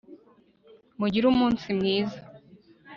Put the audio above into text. mugire umunsi mwiza